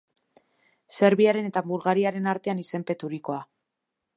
Serbiaren eta Bulgariaren artean izenpeturikoa.